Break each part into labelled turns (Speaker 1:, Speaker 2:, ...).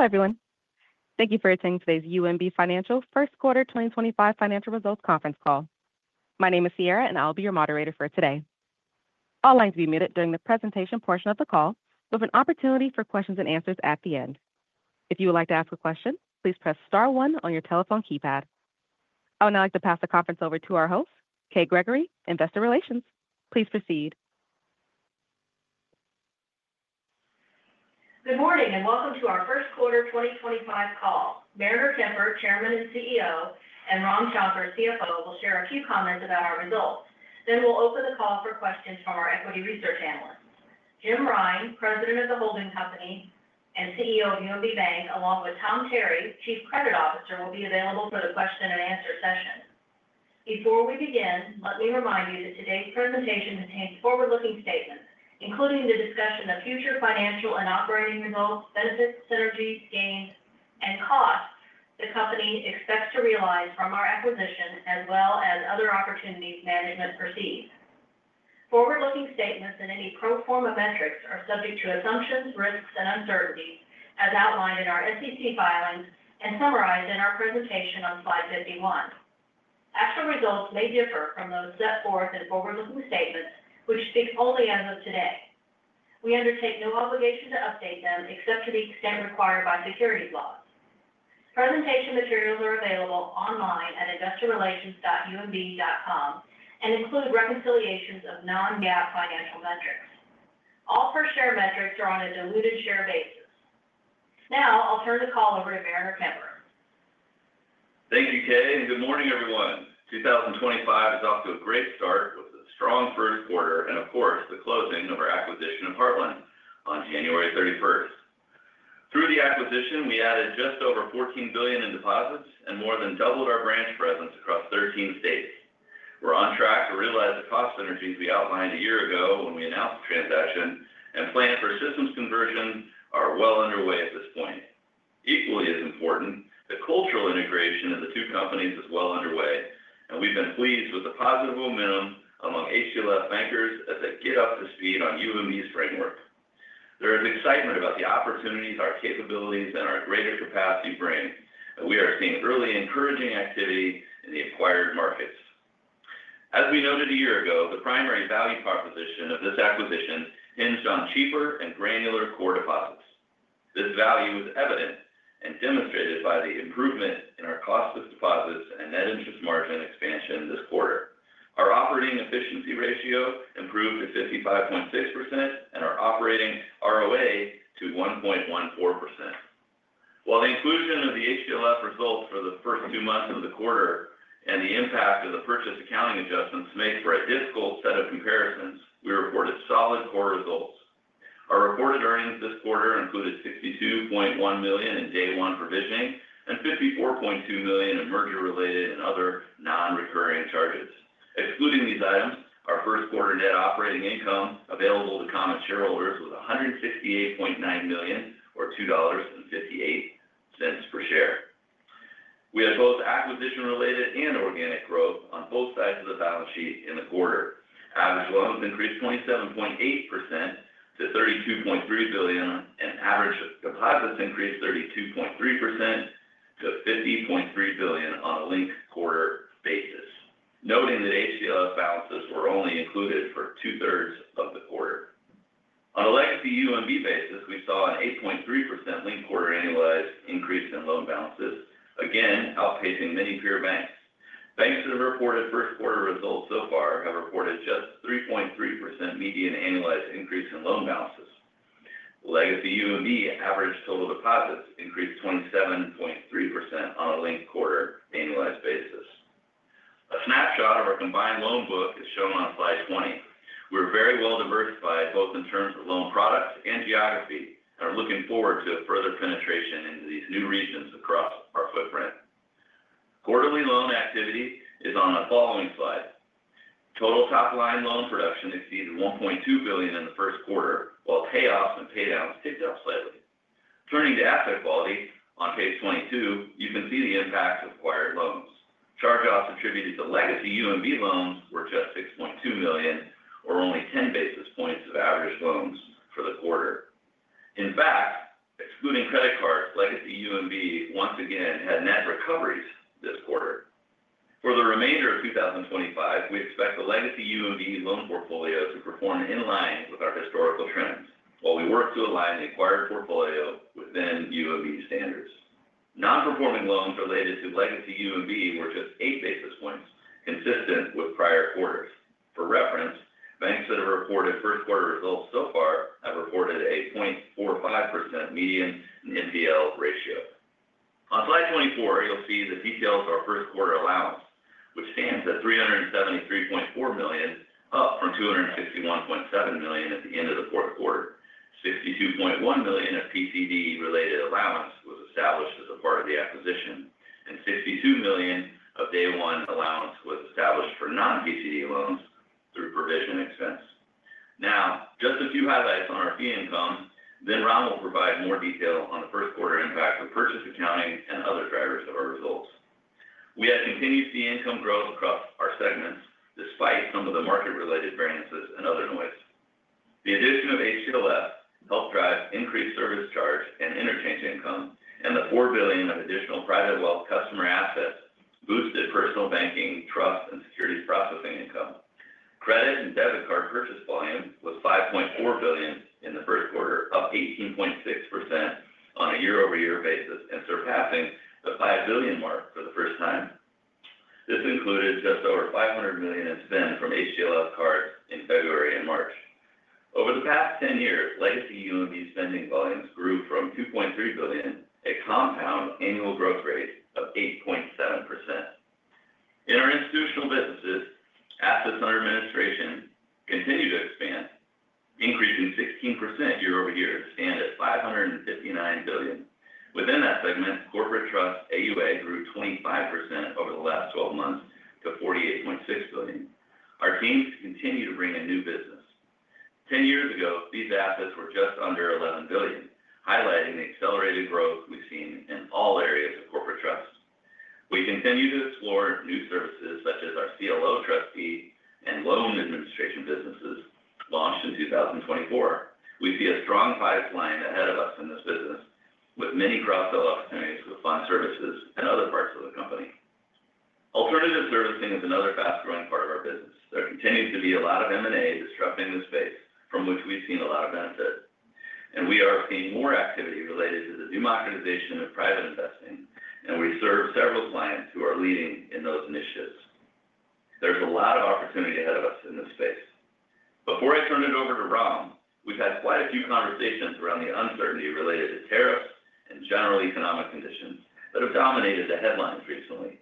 Speaker 1: Hello, everyone. Thank you for attending today's UMB Financial Q1 2025 Financial Results Conference Call. My name is Sierra, and I'll be your moderator for today. All lines will be muted during the presentation portion of the call, with an opportunity for questions and answers at the end. If you would like to ask a question, please press Star 1 on your telephone keypad. I would now like to pass the conference over to our host, Kay Gregory, Investor Relations. Please proceed.
Speaker 2: Good morning and welcome to our Q1 2025 Call. Mariner Kemper, Chairman and CEO, and Ram Shankar, CFO, will share a few comments about our results. We will open the call for questions from our equity research analysts. Jim Rine, President of the Holding Company and CEO of UMB Bank, along with Tom Terry, Chief Credit Officer, will be available for the question-and-answer session. Before we begin, let me remind you that today's presentation contains forward-looking statements, including the discussion of future financial and operating results, benefits, synergies, gains, and costs the company expects to realize from our acquisition, as well as other opportunities management perceives. Forward-looking statements and any pro forma metrics are subject to assumptions, risks, and uncertainties, as outlined in our SEC filings and summarized in our presentation on Slide 51. Actual results may differ from those set forth in forward-looking statements, which speak only as of today. We undertake no obligation to update them except to the extent required by securities laws. Presentation materials are available online at investorrelations.umb.com and include reconciliations of non-GAAP financial metrics. All per-share metrics are on a diluted share basis. Now, I'll turn the call over to Mariner Kemper.
Speaker 3: Thank you, Kay, and good morning, everyone. 2025 is off to a great start with a strong Q1 and, of course, the closing of our acquisition of Heartland on January 31st. Through the acquisition, we added just over $14 billion in deposits and more than doubled our branch presence across 13 states. We're on track to realize the cost synergies we outlined a year ago when we announced the transaction, and plans for systems conversion are well underway at this point. Equally as important, the cultural integration of the two companies is well underway, and we've been pleased with the positive momentum among HTLF bankers as they get up to speed on UMB's framework. There is excitement about the opportunities, our capabilities, and our greater capacity to bring, and we are seeing early encouraging activity in the acquired markets. As we noted a year ago, the primary value proposition of this acquisition hinged on cheaper and granular core deposits. This value is evident and demonstrated by the improvement in our cost of deposits and net interest margin expansion this quarter. Our operating efficiency ratio improved to 55.6%, and our operating ROA to 1.14%. While the inclusion of the HTLF results for the first two months of the quarter and the impact of the purchase accounting adjustments make for a difficult set of comparisons, we reported solid core results. Our reported earnings this quarter included $62.1 million in Day 1 provisioning and $54.2 million in merger-related and other non-recurring charges. Excluding these items, our Q1 net operating income available to common shareholders was $168.9 million, or $2.58 per share. We had both acquisition-related and organic growth on both sides of the balance sheet in the quarter. Average loans increased 27.8% to $32.3 billion, and average deposits increased 32.3% to $50.3 billion on a linked quarter basis, noting that HTLF balances were only included for two-thirds of the quarter. On a legacy UMB basis, we saw an 8.3% linked quarter annualized increase in loan balances, again outpacing many peer banks. Banks that have reported Q1 results so far have reported just a 3.3% median annualized increase in loan balances. Legacy UMB average total deposits increased 27.3% on a linked quarter annualized basis. A snapshot of our combined loan book is shown on Slide 20. We are very well diversified both in terms of loan products and geography and are looking forward to further penetration into these new regions across our footprint. Quarterly loan activity is on the following slide. Total top-line loan production exceeded $1.2 billion in the first quarter, while payoffs and paydowns ticked up slightly. Turning to asset quality on page 22, you can see the impact of acquired loans. Charge-offs attributed to legacy UMB loans were just $6.2 million, or only 10 basis points of average loans for the quarter. In fact, excluding credit cards, legacy UMB once again had net recoveries this quarter. For the remainder of 2025, we expect the legacy UMB loan portfolio to perform in line with our historical trends, while we work to align the acquired portfolio within UMB standards. Non-performing loans related to legacy UMB were just eight basis points, consistent with prior quarters. For reference, banks that have reported Q1 results so far have reported a 0.45% median NPL ratio. On Slide 24, you'll see the details of our Q1 allowance, which stands at $373.4 million, up from $261.7 million at the end of the Q4. $62.1 million of PCD-related allowance was established as a part of the acquisition, and $62 million of Day 1 allowance was established for non-PCD loans through provision expense. Now, just a few highlights on our fee income, then Ram will provide more detail on the Q1 impact of purchase accounting and other drivers of our results. We have continued fee income growth across our segments despite some of the market-related variances and other noise. The addition of HTLF helped drive increased service charge and interchange income, and the $4 billion of additional private wealth customer assets boosted personal banking, trust, and securities processing income. Credit and debit card purchase volume was $5.4 billion in the Q1, up 18.6% on a year-over-year basis and surpassing the $5 billion mark for the first time. This included just over $500 million in spend from HTLF cards in February and March. Over the past 10 years, legacy UMB spending volumes grew from $2.3 billion, a compound annual growth rate of 8.7%. In our institutional businesses, assets under administration continue to expand, increasing 16% year-over-year to stand at $559 billion. Within that segment, corporate trust AUA grew 25% over the last 12 months to $48.6 billion. Our teams continue to bring in new business. Ten years ago, these assets were just under $11 billion, highlighting the accelerated growth we've seen in all areas of corporate trust. We continue to explore new services such as our CLO Trustee and loan administration businesses launched in 2024. We see a strong pipeline ahead of us in this business, with many cross-sell opportunities with fund services and other parts of the company. Alternative servicing is another fast-growing part of our business. There continues to be a lot of M&A disrupting the space, from which we've seen a lot of benefit. We are seeing more activity related to the democratization of private investing, and we serve several clients who are leading in those initiatives. There is a lot of opportunity ahead of us in this space. Before I turn it over to Ram, we've had quite a few conversations around the uncertainty related to tariffs and general economic conditions that have dominated the headlines recently.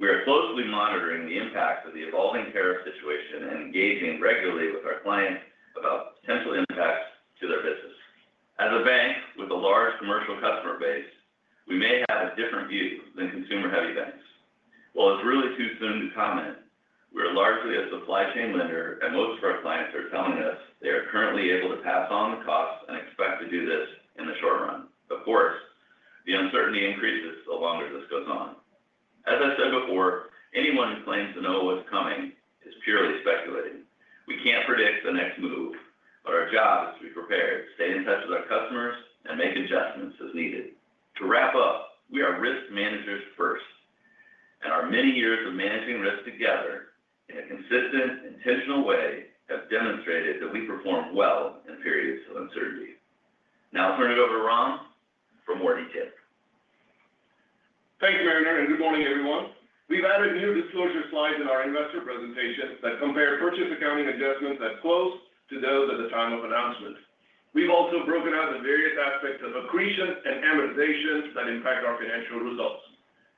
Speaker 3: We are closely monitoring the impacts of the evolving tariff situation and engaging regularly with our clients about potential impacts to their business. As a bank with a large commercial customer base, we may have a different view than consumer-heavy banks. While it's really too soon to comment, we are largely a supply chain lender, and most of our clients are telling us they are currently able to pass on the costs and expect to do this in the short run. Of course, the uncertainty increases the longer this goes on. As I said before, anyone who claims to know what's coming is purely speculating. We can't predict the next move, but our job is to be prepared, stay in touch with our customers, and make adjustments as needed. To wrap up, we are risk managers first, and our many years of managing risk together in a consistent, intentional way have demonstrated that we perform well in periods of uncertainty. Now, I'll turn it over to Ram for more detail.
Speaker 4: Thanks, Mariner, and good morning, everyone. We've added new disclosure slides in our investor presentation that compare purchase accounting adjustments at close to those at the time of announcement. We've also broken out the various aspects of accretion and amortization that impact our financial results.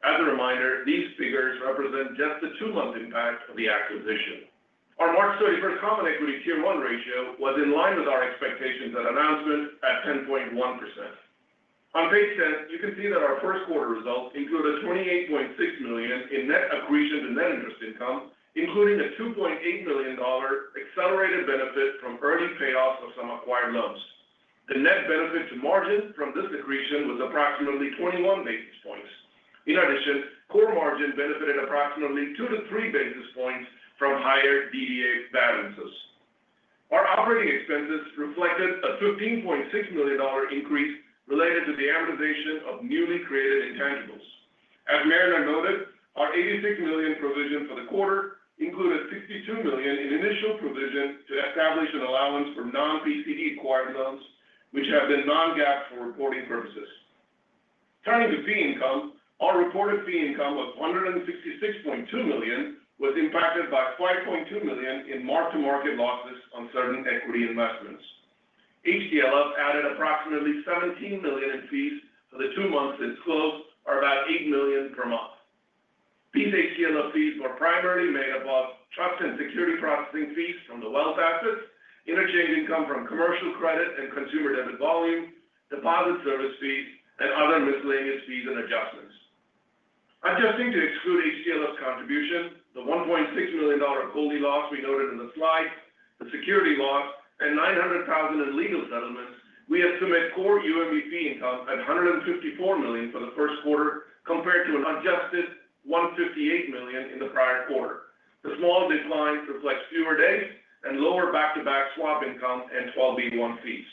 Speaker 4: As a reminder, these figures represent just the two-month impact of the acquisition. Our March 31st common equity Tier 1 ratio was in line with our expectations at announcement at 10.1%. On page 10, you can see that our Q1 results include a $28.6 million in net accretion to net interest income, including a $2.8 million accelerated benefit from early payoffs of some acquired loans. The net benefit to margin from this accretion was approximately 21 basis points. In addition, core margin benefited approximately two to three basis points from higher DDA balances. Our operating expenses reflected a $15.6 million increase related to the amortization of newly created intangibles. As Mariner noted, our $86 million provision for the quarter included $62 million in initial provision to establish an allowance for non-PCD acquired loans, which have been non-GAAP for reporting purposes. Turning to fee income, our reported fee income of $166.2 million was impacted by $5.2 million in mark-to-market losses on certain equity investments. HTLF added approximately $17 million in fees for the two months since close, or about $8 million per month. These HTLF fees were primarily made up of trust and security processing fees from the wealth assets, interchange income from commercial credit and consumer debit volume, deposit service fees, and other miscellaneous fees and adjustments. Adjusting to exclude HTLF's contribution, the $1.6 million holding loss we noted in the slide, the security loss, and $900,000 in legal settlements, we estimate core UMB fee income at $154 million for the Q1 compared to an adjusted $158 million in the prior quarter. The small decline reflects fewer days and lower back-to-back swap income and 12b-1 fees.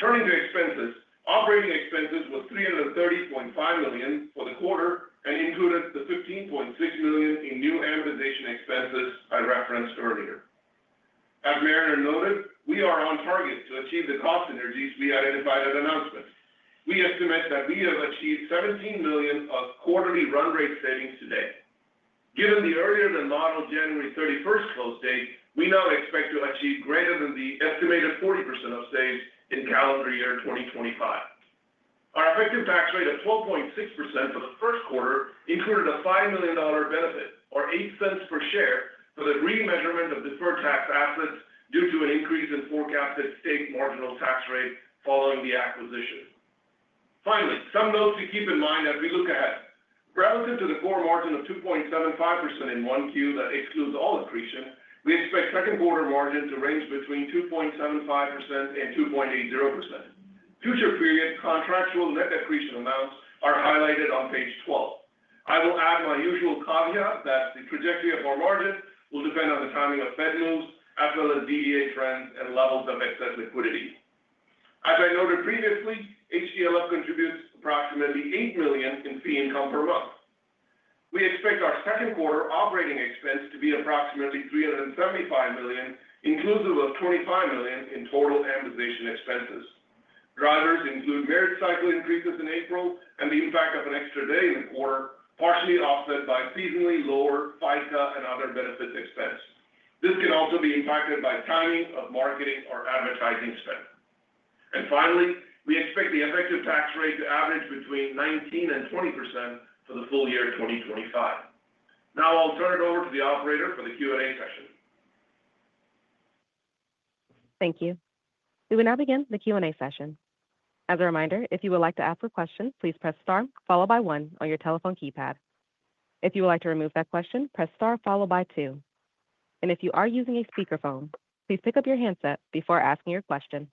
Speaker 4: Turning to expenses, operating expenses were $330.5 million for the quarter and included the $15.6 million in new amortization expenses I referenced earlier. As Mariner noted, we are on target to achieve the cost synergies we identified at announcement. We estimate that we have achieved $17 million of quarterly run rate savings today. Given the earlier than modeled January 31st close date, we now expect to achieve greater than the estimated 40% of saves in calendar year 2025. Our effective tax rate of 12.6% for the Q1 included a $5 million benefit, or $0.08 per share, for the remeasurement of deferred tax assets due to an increase in forecasted state marginal tax rate following the acquisition. Finally, some notes to keep in mind as we look ahead. Relative to the core margin of 2.75% in Q1 that excludes all accretion, we expect Q2 margin to range between 2.75% and 2.80%. Future period contractual net accretion amounts are highlighted on page 12. I will add my usual caveat that the trajectory of our margin will depend on the timing of Fed moves as well as DDA trends and levels of excess liquidity. As I noted previously, HTLF contributes approximately $8 million in fee income per month. We expect our Q2 operating expense to be approximately $375 million, inclusive of $25 million in total amortization expenses. Drivers include merit cycle increases in April and the impact of an extra day in the quarter, partially offset by seasonally lower FICA and other benefits expense. This can also be impacted by timing of marketing or advertising spend. Finally, we expect the effective tax rate to average between 19% and 20% for the full year 2025. Now, I'll turn it over to the operator for the Q&A session.
Speaker 1: Thank you. We will now begin the Q&A session. As a reminder, if you would like to ask a question, please press star, followed by one on your telephone keypad. If you would like to remove that question, press star, followed by two. If you are using a speakerphone, please pick up your handset before asking your question.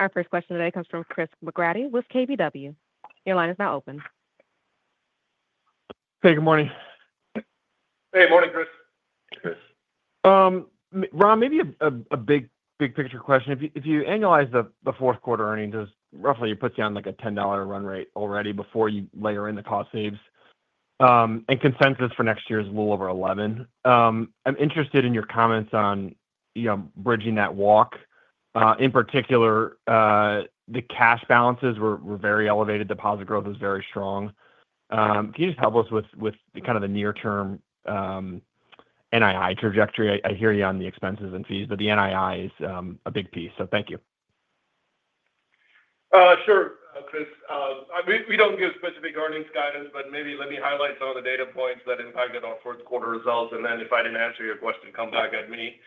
Speaker 1: Our first question today comes from Chris McGratty with KBW. Your line is now open.
Speaker 5: Hey, good morning.
Speaker 4: Hey, morning, Chris.
Speaker 5: Hey, Chris. Ram, maybe a big, big picture question. If you annualize the Q4 earnings, roughly it puts you on like a $10 run rate already before you layer in the cost saves. And consensus for next year is a little over 11. I'm interested in your comments on bridging that walk. In particular, the cash balances were very elevated. Deposit growth was very strong. Can you just help us with kind of the near-term NII trajectory? I hear you on the expenses and fees, but the NII is a big piece, so thank you.
Speaker 4: Sure, Chris. We do not give specific earnings guidance, but maybe let me highlight some of the data points that impacted our Q4 results, and then if I did not answer your question, come back at me.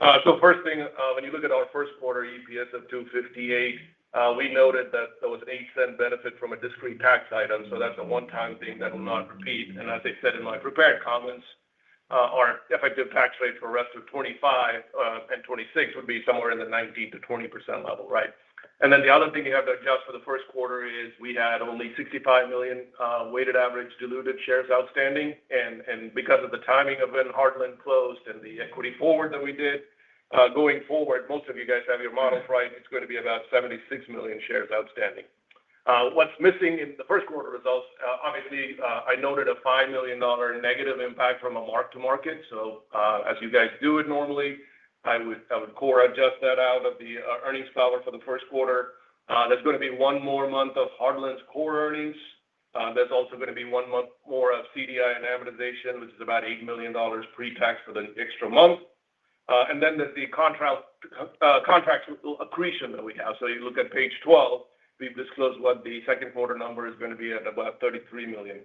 Speaker 4: The first thing, when you look at our Q1 EPS of $2.58, we noted that there was an $0.08 benefit from a discrete tax item, so that is a one-time thing that will not repeat. As I said in my prepared comments, our effective tax rate for the rest of 2025 and 2026 would be somewhere in the 19%-20% level, right? The other thing you have to adjust for the Q1 is we had only $65 million weighted average diluted shares outstanding. Because of the timing of when Heartland closed and the equity forward that we did, going forward, most of you guys have your models right, it's going to be about $76 million shares outstanding. What's missing in the Q1 results, obviously, I noted a $5 million negative impact from a mark-to-market. As you guys do it normally, I would core adjust that out of the earnings power for the Q1. There is going to be one more month of Heartland's core earnings. There is also going to be one month more of CDI and amortization, which is about $8 million pre-tax for the extra month. There is the contract accretion that we have. If you look at page 12, we have disclosed what the Q2 number is going to be at about $33 million.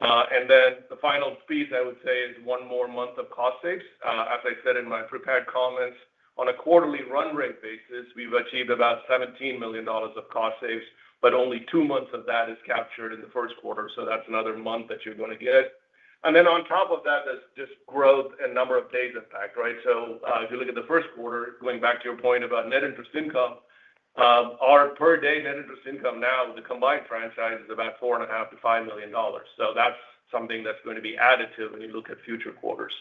Speaker 4: The final piece I would say is one more month of cost saves. As I said in my prepared comments, on a quarterly run rate basis, we've achieved about $17 million of cost saves, but only two months of that is captured in the Q1. That is another month that you're going to get. On top of that, there is just growth and number of days impact, right? If you look at the Q1, going back to your point about net interest income, our per day net interest income now with the combined franchise is about $4.5 million to $5 million. That is something that is going to be additive when you look at future quarters.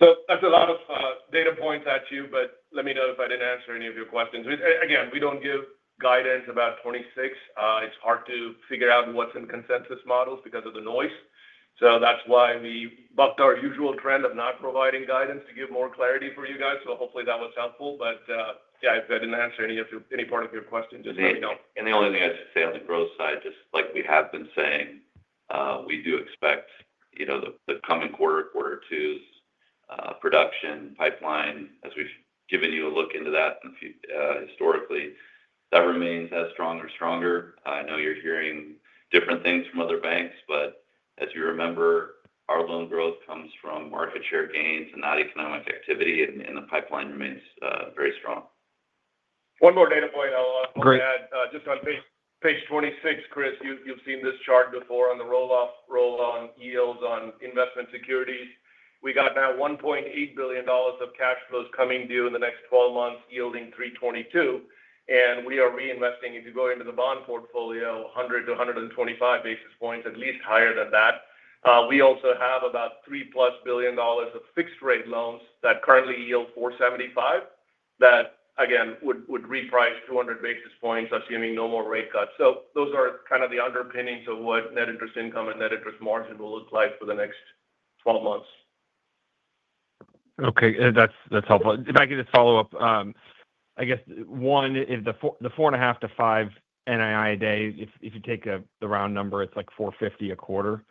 Speaker 4: That is a lot of data points at you, but let me know if I did not answer any of your questions. Again, we do not give guidance about 2026. It's hard to figure out what's in consensus models because of the noise. That is why we bucked our usual trend of not providing guidance to give more clarity for you guys. Hopefully that was helpful. If I did not answer any part of your question, just let me know.
Speaker 3: The only thing I'd say on the growth side, just like we have been saying, we do expect the coming quarter, quarter two's production pipeline, as we've given you a look into that historically, that remains as strong or stronger. I know you're hearing different things from other banks, but as you remember, our loan growth comes from market share gains and not economic activity, and the pipeline remains very strong.
Speaker 4: One more data point I'll add just on page 26, Chris, you've seen this chart before on the roll-on yields on investment securities. We got now $1.8 billion of cash flows coming due in the next 12 months, yielding $3.22. We are reinvesting, if you go into the bond portfolio, 100 to 125 basis points at least higher than that. We also have about $3 billion plus of fixed-rate loans that currently yield $4.75 that, again, would reprice 200 basis points, assuming no more rate cuts. Those are kind of the underpinnings of what net interest income and net interest margin will look like for the next 12 months.
Speaker 5: Okay, that's helpful. If I could just follow up, I guess, one, the $4.5 to $5 NII a day, if you take the round number, it's like $4.50 a quarter.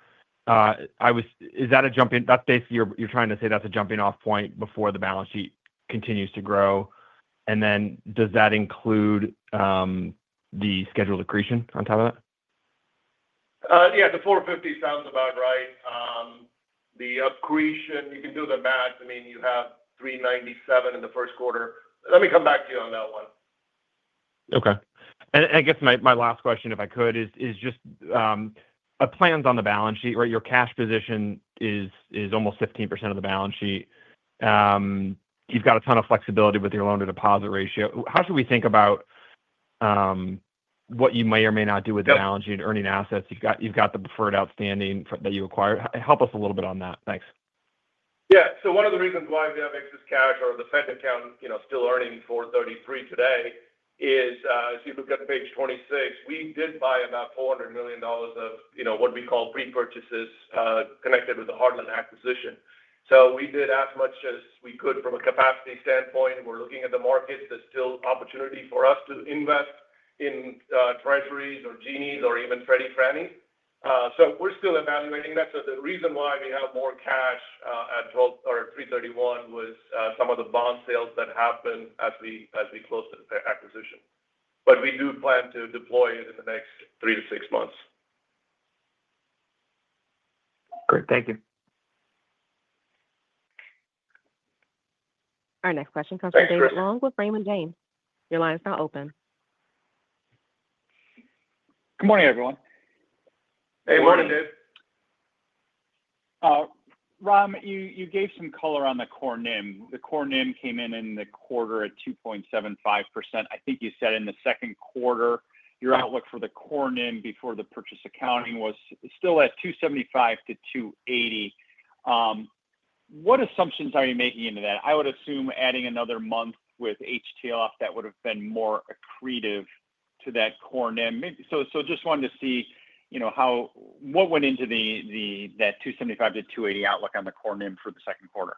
Speaker 5: Is that a jump in? That's basically you're trying to say that's a jumping-off point before the balance sheet continues to grow. Does that include the scheduled accretion on top of that?
Speaker 4: Yeah, the $4.50 sounds about right. The accretion, you can do the math. I mean, you have $3.97 in the Q1. Let me come back to you on that one.
Speaker 5: Okay. I guess my last question, if I could, is just plans on the balance sheet, right? Your cash position is almost 15% of the balance sheet. You've got a ton of flexibility with your loan-to-deposit ratio. How should we think about what you may or may not do with the balance sheet and earning assets? You've got the preferred outstanding that you acquired. Help us a little bit on that. Thanks.
Speaker 4: Yeah. One of the reasons why we have excess cash or the Fed account still earning $4.33 today is, as you look at page 26, we did buy about $400 million of what we call pre-purchases connected with the Heartland acquisition. We did as much as we could from a capacity standpoint. We're looking at the markets. There's still opportunity for us to invest in Treasuries or Ginnies or Freddies, Fannies. We're still evaluating that. The reason why we have more cash at $3.31 was some of the bond sales that happened as we closed the acquisition. We do plan to deploy it in the next three to six months.
Speaker 5: Great. Thank you.
Speaker 1: Our next question comes from David Long with Raymond James. Your line is now open.
Speaker 6: Good morning, everyone.
Speaker 4: Hey, morning, Dave.
Speaker 6: Ram, you gave some color on the core NIM. The core NIM came in in the quarter at 2.75%. I think you said in the Q2, your outlook for the core NIM before the purchase accounting was still at $2.75-$2.80. What assumptions are you making into that? I would assume adding another month with HTLF, that would have been more accretive to that core NIM. Just wanted to see what went into that $2.75-$2.80 outlook on the core NIM for the Q2.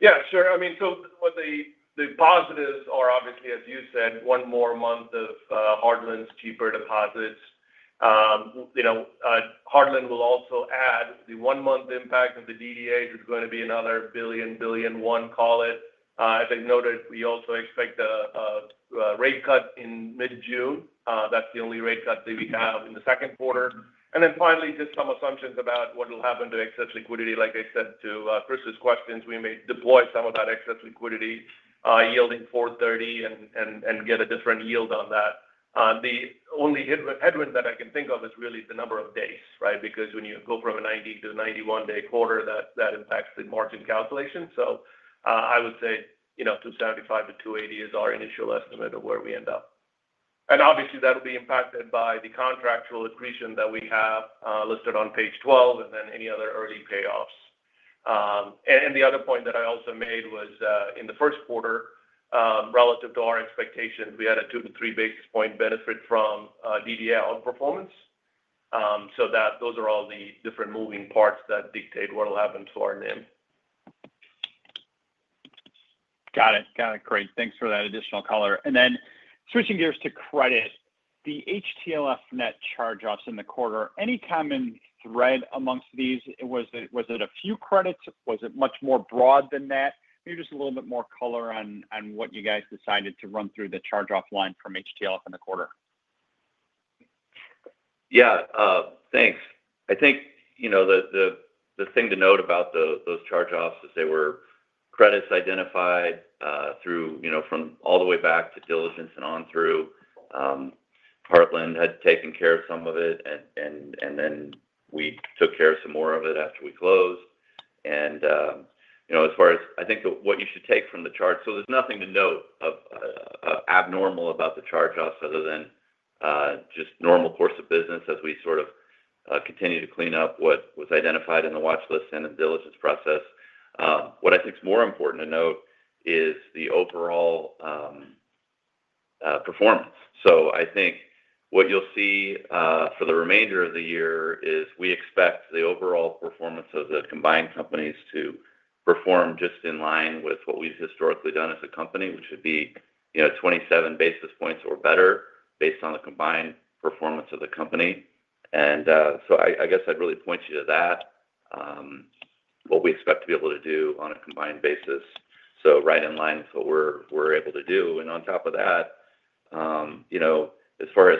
Speaker 4: Yeah, sure. I mean, the positives are obviously, as you said, one more month of Heartland's cheaper deposits. Heartland will also add the one-month impact of the DDAs is going to be another billion, billion, one, call it. As I noted, we also expect a rate cut in mid-June. That's the only rate cut that we have in the Q2. Finally, just some assumptions about what will happen to excess liquidity. Like I said to Chris's questions, we may deploy some of that excess liquidity yielding $4.30 and get a different yield on that. The only headwind that I can think of is really the number of days, right? Because when you go from a 90 to 91-day quarter, that impacts the margin calculation. I would say $2.75-$2.80 is our initial estimate of where we end up. Obviously, that will be impacted by the contractual accretion that we have listed on page 12 and then any other early payoffs. The other point that I also made was in the Q1, relative to our expectations, we had a two to three basis point benefit from DDA outperformance. Those are all the different moving parts that dictate what will happen to our NIM.
Speaker 6: Got it. Got it. Great. Thanks for that additional color. Switching gears to credit, the HTLF net charge-offs in the quarter, any common thread amongst these? Was it a few credits? Was it much more broad than that? Maybe just a little bit more color on what you guys decided to run through the charge-off line from HTLF in the quarter.
Speaker 3: Yeah, thanks. I think the thing to note about those charge-offs is they were credits identified from all the way back to diligence and on through. Heartland had taken care of some of it, and then we took care of some more of it after we closed. As far as I think what you should take from the chart, there is nothing to note of abnormal about the charge-offs other than just normal course of business as we sort of continue to clean up what was identified in the watchlist and the diligence process. What I think is more important to note is the overall performance. I think what you'll see for the remainder of the year is we expect the overall performance of the combined companies to perform just in line with what we've historically done as a company, which would be 27 basis points or better based on the combined performance of the company. I guess I'd really point you to that, what we expect to be able to do on a combined basis. Right in line with what we're able to do. On top of that, as far as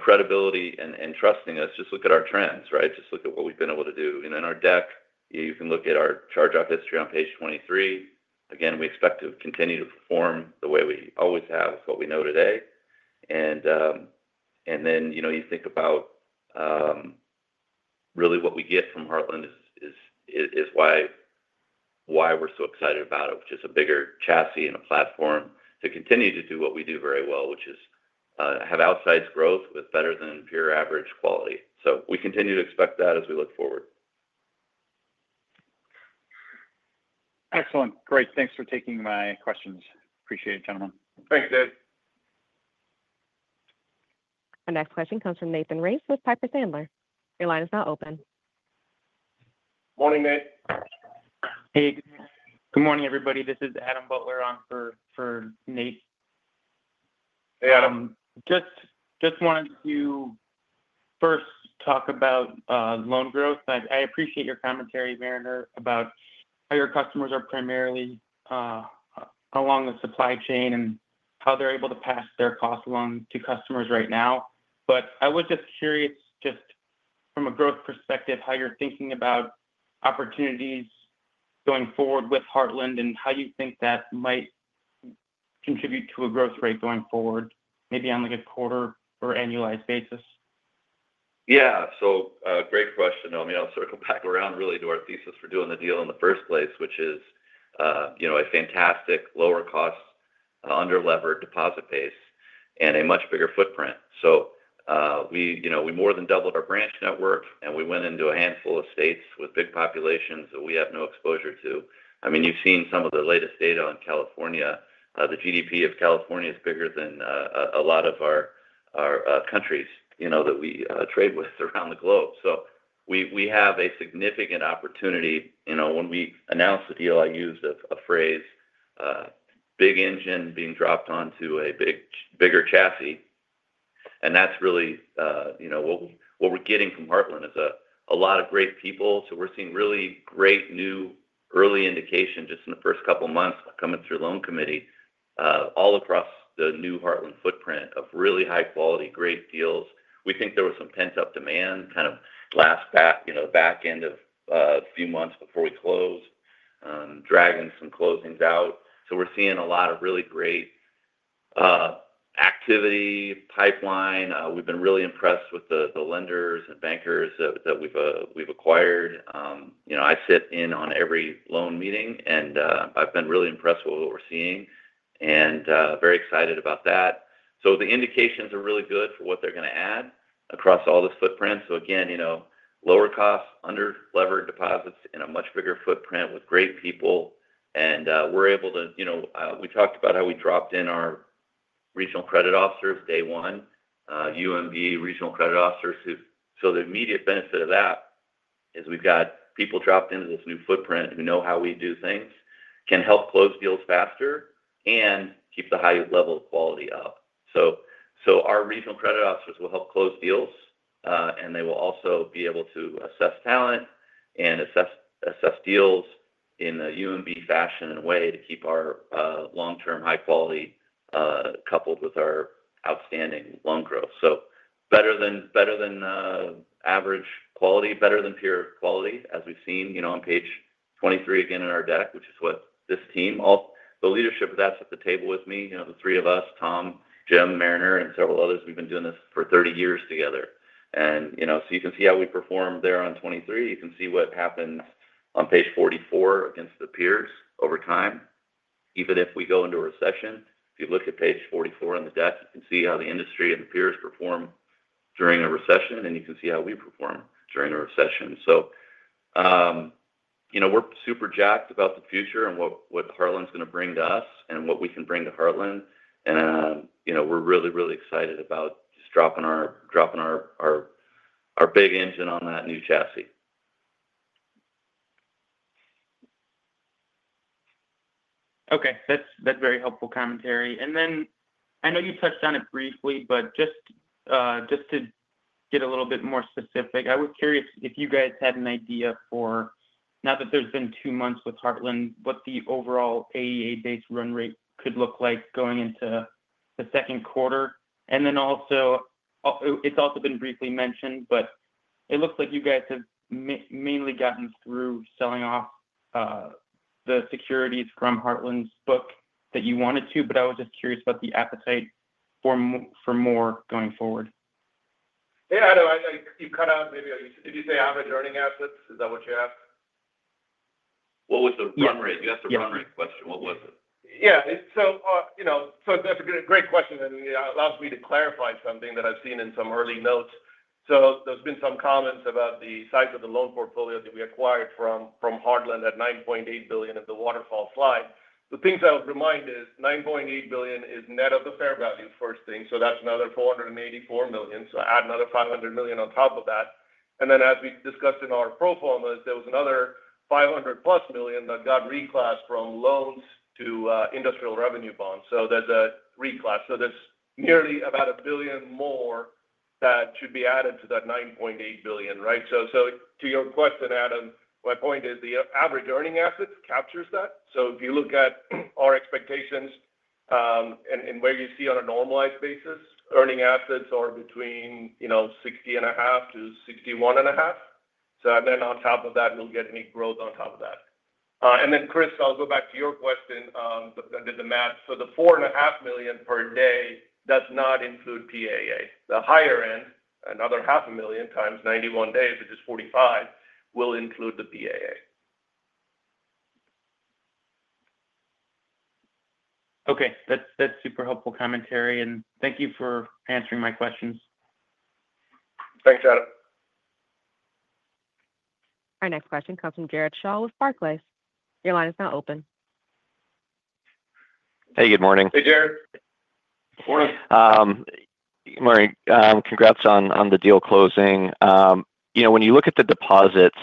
Speaker 3: credibility and trusting us, just look at our trends, right? Just look at what we've been able to do. In our deck, you can look at our charge-off history on page 23. Again, we expect to continue to perform the way we always have with what we know today. You think about really what we get from Heartland is why we're so excited about it, which is a bigger chassis and a platform to continue to do what we do very well, which is have outsized growth with better than peer average quality. We continue to expect that as we look forward.
Speaker 6: Excellent. Great. Thanks for taking my questions. Appreciate it, gentlemen.
Speaker 4: Thanks, Dave.
Speaker 1: Our next question comes from Nathan Race with Piper Sandler. Your line is now open.
Speaker 4: Morning, Nate.
Speaker 7: Hey. Good morning, everybody. This is Adam Butler on for Nate.
Speaker 4: Hey, Adam.
Speaker 7: Just wanted to first talk about loan growth. I appreciate your commentary, Mariner, about how your customers are primarily along the supply chain and how they're able to pass their costs along to customers right now. I was just curious, just from a growth perspective, how you're thinking about opportunities going forward with Heartland and how you think that might contribute to a growth rate going forward, maybe on a quarter or annualized basis.
Speaker 3: Yeah. Great question. I mean, I'll circle back around really to our thesis for doing the deal in the first place, which is a fantastic lower-cost, under-levered deposit base and a much bigger footprint. We more than doubled our branch network, and we went into a handful of states with big populations that we have no exposure to. I mean, you've seen some of the latest data on California. The GDP of California is bigger than a lot of our countries that we trade with around the globe. We have a significant opportunity. When we announced the deal, I used a phrase, "Big engine being dropped onto a bigger chassis." That's really what we're getting from Heartland is a lot of great people. We're seeing really great new early indication just in the first couple of months coming through loan committee all across the new Heartland footprint of really high-quality, great deals. We think there was some pent-up demand kind of last back end of a few months before we closed, dragging some closings out. We're seeing a lot of really great activity, pipeline. We've been really impressed with the lenders and bankers that we've acquired. I sit in on every loan meeting, and I've been really impressed with what we're seeing and very excited about that. The indications are really good for what they're going to add across all this footprint. Again, lower costs, under-levered deposits in a much bigger footprint with great people. We're able to—we talked about how we dropped in our regional credit officers day one, UMB regional credit officers. The immediate benefit of that is we've got people dropped into this new footprint who know how we do things, can help close deals faster, and keep the high level of quality up. Our regional credit officers will help close deals, and they will also be able to assess talent and assess deals in a UMB fashion and way to keep our long-term high quality coupled with our outstanding loan growth. Better than average quality, better than peer quality, as we've seen on page 23 again in our deck, which is what this team—the leadership of that's at the table with me, the three of us, Tom, Jim, Mariner, and several others. We've been doing this for 30 years together. You can see how we performed there on 23. You can see what happens on page 44 against the peers over time. Even if we go into a recession, if you look at page 44 in the deck, you can see how the industry and the peers perform during a recession, and you can see how we perform during a recession. We are super jacked about the future and what Heartland's going to bring to us and what we can bring to Heartland. We are really, really excited about just dropping our big engine on that new chassis.
Speaker 7: Okay. That's very helpful commentary. I know you touched on it briefly, but just to get a little bit more specific, I was curious if you guys had an idea for, now that there's been two months with Heartland, what the overall AEA-based run rate could look like going into the Q2. It has also been briefly mentioned, but it looks like you guys have mainly gotten through selling off the securities from Heartland's book that you wanted to, but I was just curious about the appetite for more going forward.
Speaker 4: Yeah. You cut out maybe. Did you say average earning assets? Is that what you asked?
Speaker 3: What was the run rate? You asked the run rate question. What was it?
Speaker 4: Yeah. That's a great question. It allows me to clarify something that I've seen in some early notes. There's been some comments about the size of the loan portfolio that we acquired from Heartland at $9.8 billion at the waterfall slide. The things I would remind is $9.8 billion is net of the fair value first thing. That's another $484 million. Add another $500 million on top of that. As we discussed in our pro formas, there was another $500 plus million that got reclassed from loans to industrial revenue bonds. There's a reclass. There's nearly about a billion more that should be added to that $9.8 billion, right? To your question, Adam, my point is the average earning asset captures that. If you look at our expectations and where you see on a normalized basis, earning assets are between $60.5 billion and $61.5 billion. On top of that, we will get any growth on top of that. Chris, I'll go back to your question. I did the math. The $4.5 million per day does not include PAA. The higher end, another $0.5 million times 91 days, which is $45 million, will include the PAA.
Speaker 7: Okay. That is super helpful commentary. Thank you for answering my questions.
Speaker 4: Thanks, Adam.
Speaker 1: Our next question comes from Jared Shaw with Barclays. Your line is now open.
Speaker 8: Hey, good morning.
Speaker 4: Hey, Jared. Good morning.
Speaker 8: Good morning. Congrats on the deal closing. When you look at the deposits,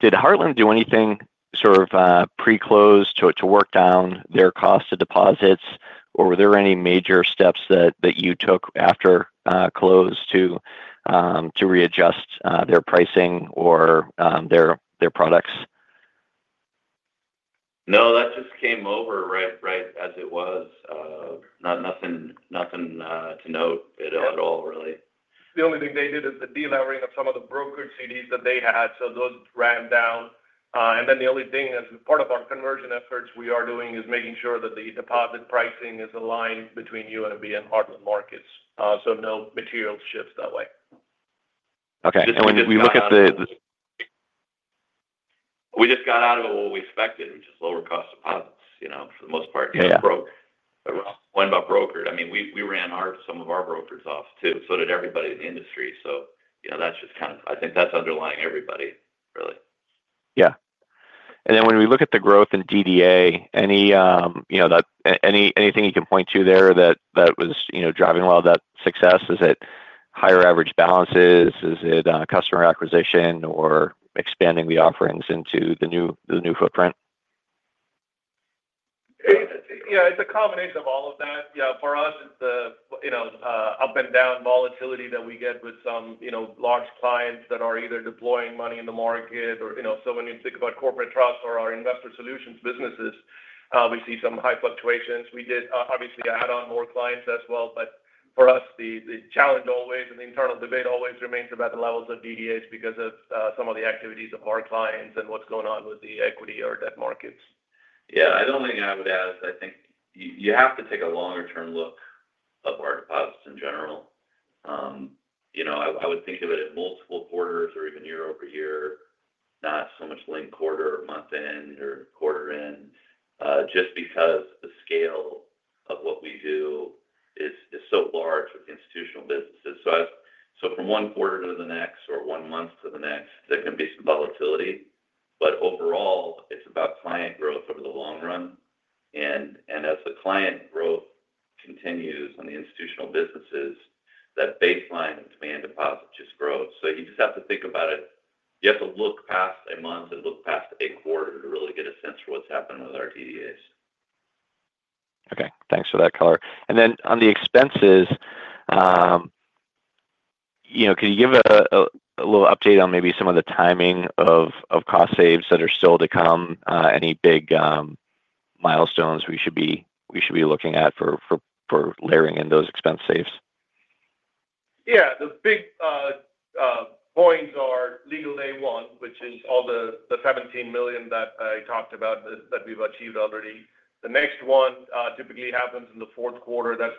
Speaker 8: did Heartland do anything sort of pre-close to work down their cost of deposits, or were there any major steps that you took after close to readjust their pricing or their products?
Speaker 3: No, that just came over right as it was. Nothing to note at all, really.
Speaker 4: The only thing they did is the deal outright of some of the brokered CDs that they had. Those ran down. The only thing as part of our conversion efforts we are doing is making sure that the deposit pricing is aligned between UMB and Heartland markets. No material shifts that way.
Speaker 8: Okay. When you look at the.
Speaker 3: We just got out of what we expected, which is lower cost deposits for the most part. When about brokered? I mean, we ran some of our brokers off too. Everybody in the industry did. That is just kind of, I think that is underlying everybody, really.
Speaker 8: Yeah. When we look at the growth in DDA, anything you can point to there that was driving a lot of that success? Is it higher average balances? Is it customer acquisition or expanding the offerings into the new footprint?
Speaker 4: Yeah. It's a combination of all of that. Yeah. For us, it's the up and down volatility that we get with some large clients that are either deploying money in the market. When you think about corporate trust or our investor solutions businesses, we see some high fluctuations. We did obviously add on more clients as well. For us, the challenge always and the internal debate always remains about the levels of DDAs because of some of the activities of our clients and what's going on with the equity or debt markets.
Speaker 3: Yeah. The only thing I would add is I think you have to take a longer-term look at our deposits in general. I would think of it at multiple quarters or even year-over-year, not so much linked quarter or month end or quarter end, just because the scale of what we do is so large with the institutional businesses. From one quarter to the next or one month to the next, there can be some volatility. Overall, it's about client growth over the long run. As the client growth continues on the institutional businesses, that baseline demand deposit just grows. You just have to think about it. You have to look past a month and look past a quarter to really get a sense for what's happening with our DDAs.
Speaker 8: Okay. Thanks for that, Kemper. Could you give a little update on maybe some of the timing of cost saves that are still to come? Any big milestones we should be looking at for layering in those expense saves?
Speaker 4: Yeah. The big points are legal day one, which is all the $17 million that I talked about that we've achieved already. The next one typically happens in the Q4. That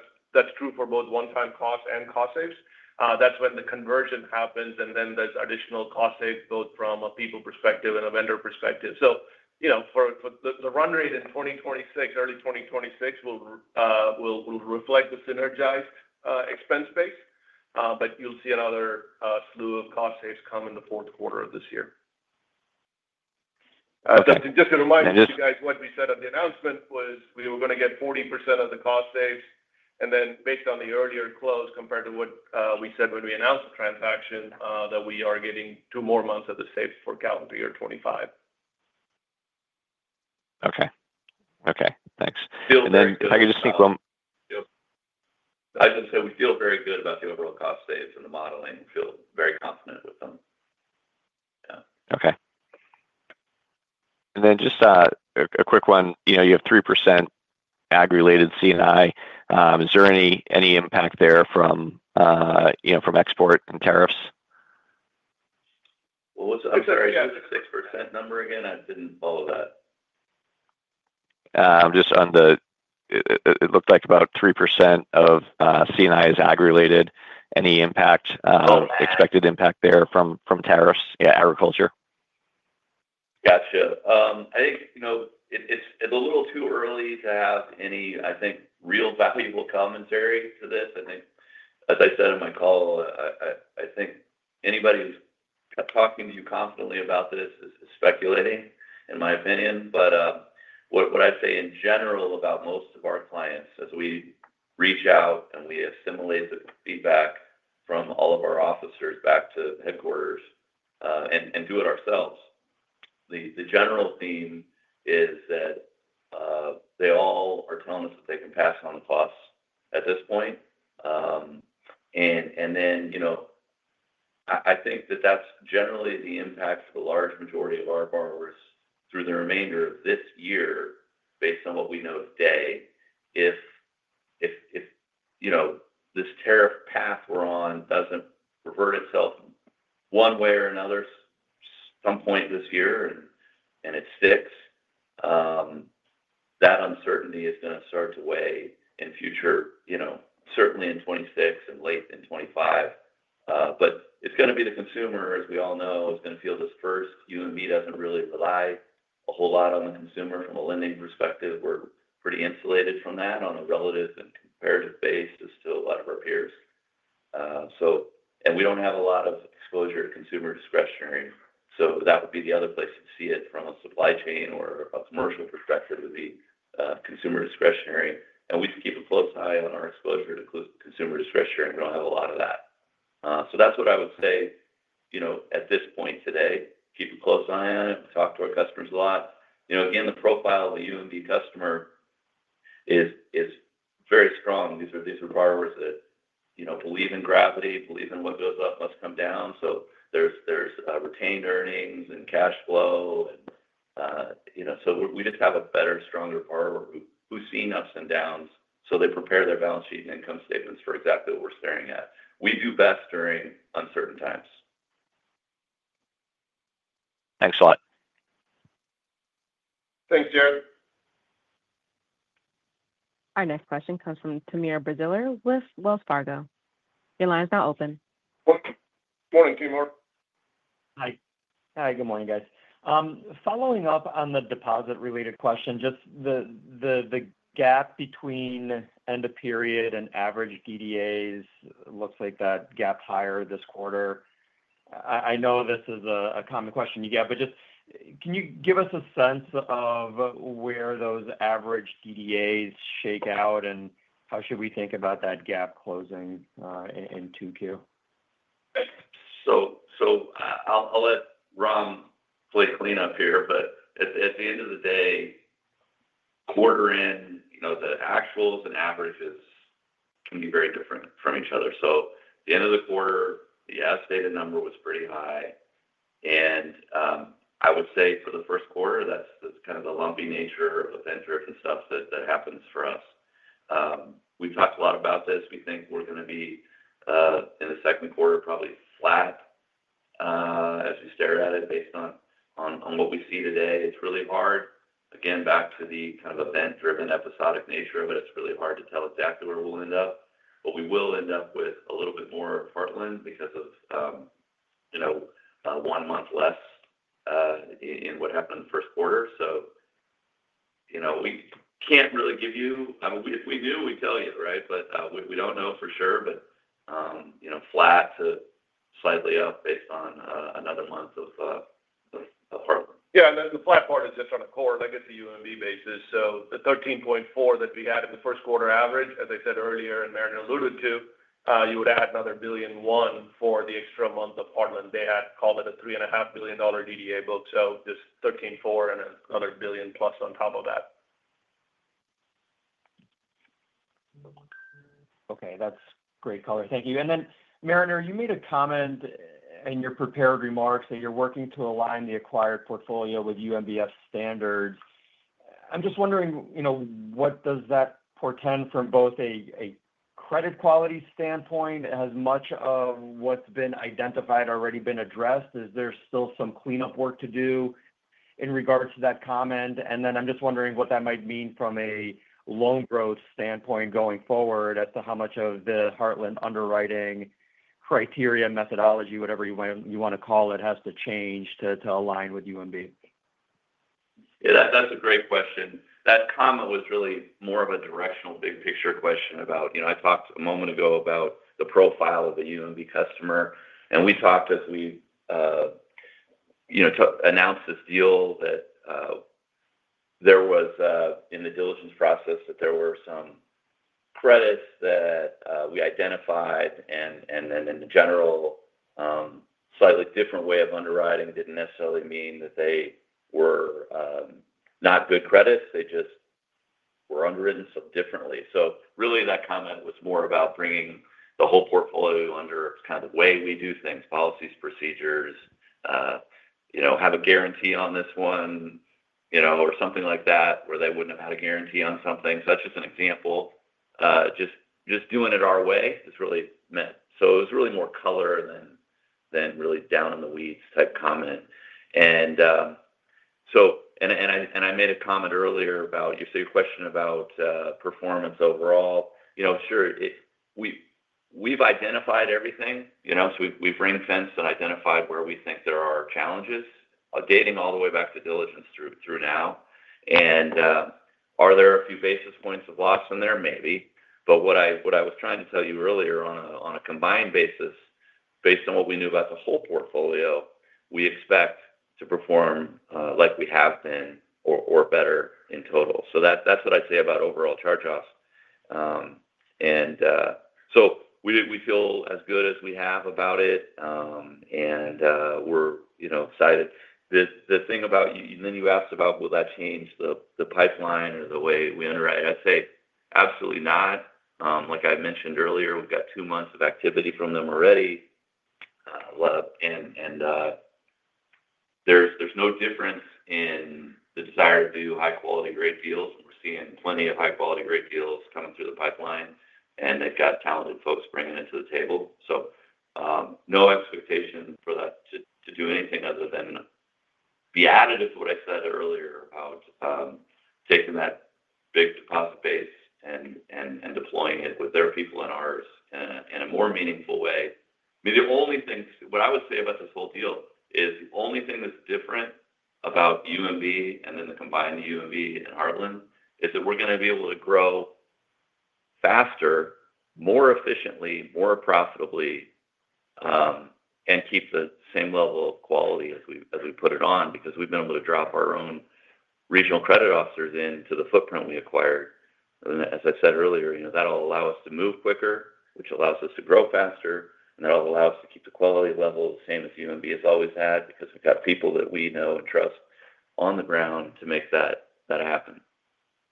Speaker 4: is true for both one-time costs and cost saves. That is when the conversion happens, and then there is additional cost saves both from a people perspective and a vendor perspective. For the run rate in 2026, early 2026, it will reflect the synergized expense base. You will see another slew of cost saves come in the Q4 of this year. Just to remind you guys, what we said at the announcement was we were going to get 40% of the cost saves. Then based on the earlier close compared to what we said when we announced the transaction, we are getting two more months of the saves for calendar year 2025.
Speaker 8: Okay. Thanks. I can just think.
Speaker 3: I just say we feel very good about the overall cost saves and the modeling. We feel very confident with them. Yeah.
Speaker 8: Okay. And then just a quick one. You have 3% ag-related C&I. Is there any impact there from export and tariffs?
Speaker 3: What's that right now? 6% number again? I didn't follow that.
Speaker 8: Just on the it looked like about 3% of C&I is ag-related. Any impact, expected impact there from tariffs? Yeah. Agriculture.
Speaker 3: Gotcha. I think it's a little too early to have any, I think, real valuable commentary to this. I think, as I said in my call, I think anybody who's talking to you confidently about this is speculating, in my opinion. What I'd say in general about most of our clients as we reach out and we assimilate the feedback from all of our officers back to headquarters and do it ourselves, the general theme is that they all are telling us that they can pass on the costs at this point. I think that that's generally the impact for the large majority of our borrowers through the remainder of this year, based on what we know today. If this tariff path we're on does not revert itself one way or another at some point this year and it sticks, that uncertainty is going to start to weigh in future, certainly in 2026 and late in 2025. It is going to be the consumer, as we all know, who is going to feel this first. UMB does not really rely a whole lot on the consumer from a lending perspective. We are pretty insulated from that on a relative and comparative basis to a lot of our peers. We do not have a lot of exposure to consumer discretionary. That would be the other place to see it from a supply chain or a commercial perspective, which would be consumer discretionary. We keep a close eye on our exposure to consumer discretionary. We do not have a lot of that. That is what I would say at this point today. We keep a close eye on it. We talk to our customers a lot. Again, the profile of the UMB customer is very strong. These are borrowers that believe in gravity, believe in what goes up must come down. There is retained earnings and cash flow. We just have a better, stronger borrower who has seen ups and downs. They prepare their balance sheet and income statements for exactly what we are staring at. We do best during uncertain times.
Speaker 8: Thanks a lot.
Speaker 4: Thanks, Jared.
Speaker 1: Our next question comes from Timur Braziler with Wells Fargo. Your line is now open.
Speaker 4: Morning, Timur.
Speaker 9: Hi. Good morning, guys. Following up on the deposit-related question, just the gap between end of period and average DDAs looks like that gap higher this quarter. I know this is a common question you get, but just can you give us a sense of where those average DDAs shake out and how should we think about that gap closing in Q2?
Speaker 3: I'll let Ram play clean up here. At the end of the day, quarter end, the actuals and averages can be very different from each other. At the end of the quarter, the estimated number was pretty high. I would say for the Q1, that's kind of the lumpy nature of the venture and stuff that happens for us. We've talked a lot about this. We think we're going to be in the Q2 probably flat as we stare at it based on what we see today. It's really hard. Again, back to the kind of event-driven episodic nature of it, it's really hard to tell exactly where we'll end up. We will end up with a little bit more of Heartland because of one month less in what happened in the Q1. We can't really give you, if we knew, we'd tell you, right? We don't know for sure, but flat to slightly up based on another month of Heartland.
Speaker 4: Yeah. The flat part is just on a quarter. That gets the UMB basis. So the $13.4 billion that we had in the Q1 average, as I said earlier and Mariner alluded to, you would add another $1 billion one for the extra month of Heartland. They had called it a $3.5 billion DDA book. So just $13.4 billion and another billion plus on top of that.
Speaker 9: Okay. That's great, Kemper. Thank you. Mariner, you made a comment in your prepared remarks that you're working to align the acquired portfolio with UMBF standards. I'm just wondering, what does that portend from both a credit quality standpoint? Has much of what's been identified already been addressed? Is there still some cleanup work to do in regards to that comment? I'm just wondering what that might mean from a loan growth standpoint going forward as to how much of the Heartland underwriting criteria, methodology, whatever you want to call it, has to change to align with UMB?
Speaker 3: Yeah. That's a great question. That comment was really more of a directional big picture question about I talked a moment ago about the profile of the UMB customer. We talked as we announced this deal that there was in the diligence process that there were some credits that we identified. In the general, slightly different way of underwriting didn't necessarily mean that they were not good credits. They just were underwritten differently. Really, that comment was more about bringing the whole portfolio under kind of the way we do things, policies, procedures, have a guarantee on this one or something like that where they wouldn't have had a guarantee on something. That's just an example. Just doing it our way is really meant. It was really more color than really down in the weeds type comment. I made a comment earlier about your question about performance overall. Sure. We have identified everything. We have ring-fenced and identified where we think there are challenges dating all the way back to diligence through now. Are there a few basis points of loss in there? Maybe. What I was trying to tell you earlier on a combined basis, based on what we knew about the whole portfolio, we expect to perform like we have been or better in total. That is what I would say about overall charge-offs. We feel as good as we have about it. We are excited. You asked about will that change the pipeline or the way we underwrite. I would say absolutely not. Like I mentioned earlier, we have two months of activity from them already. There is no difference in the desire to do high-quality rate deals. We're seeing plenty of high-quality rate deals coming through the pipeline. They've got talented folks bringing it to the table. No expectation for that to do anything other than be additive to what I said earlier about taking that big deposit base and deploying it with their people and ours in a more meaningful way. I mean, the only thing what I would say about this whole deal is the only thing that's different about UMB and then the combined UMB and Heartland is that we're going to be able to grow faster, more efficiently, more profitably, and keep the same level of quality as we put it on because we've been able to drop our own regional credit officers into the footprint we acquired. As I said earlier, that'll allow us to move quicker, which allows us to grow faster. That will allow us to keep the quality level the same as UMB has always had because we have people that we know and trust on the ground to make that happen.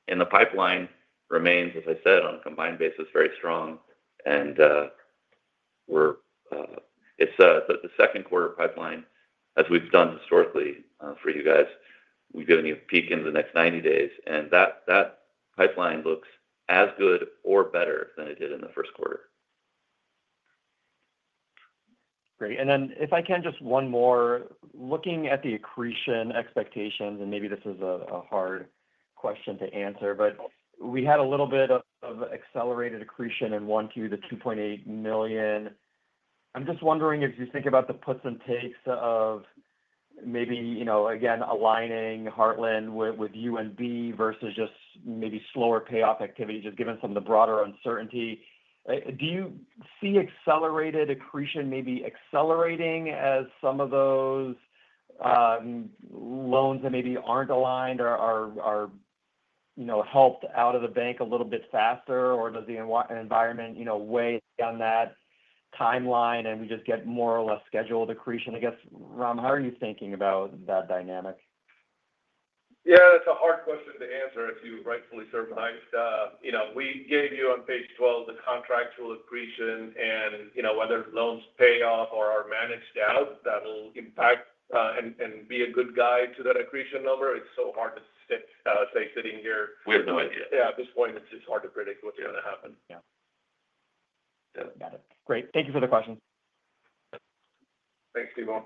Speaker 3: The pipeline remains, as I said, on a combined basis, very strong. It is the Q2 pipeline, as we have done historically for you guys. We have given you a peek in the next 90 days. That pipeline looks as good or better than it did in the Q1.
Speaker 9: Great. If I can just ask one more, looking at the accretion expectations, and maybe this is a hard question to answer, but we had a little bit of accelerated accretion in one Q, the $2.8 million. I am just wondering if you think about the puts and takes of maybe, again, aligning Heartland with UMB versus just maybe slower payoff activity, just given some of the broader uncertainty. Do you see accelerated accretion maybe accelerating as some of those loans that maybe are not aligned are helped out of the bank a little bit faster? Does the environment weigh on that timeline and we just get more or less scheduled accretion? I guess, Ram, how are you thinking about that dynamic?
Speaker 4: Yeah. That's a hard question to answer if you rightfully surmised. We gave you on page 12 the contractual accretion and whether loans pay off or are managed out that will impact and be a good guide to that accretion number. It's so hard to say sitting here.
Speaker 3: We have no idea.
Speaker 4: Yeah. At this point, it's just hard to predict what's going to happen.
Speaker 9: Yeah. Got it. Great. Thank you for the questions.
Speaker 4: Thanks, Timur.